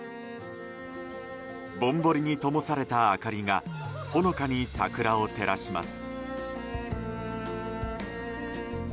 ぼんぼりにともされた明かりがほのかに桜を照らします。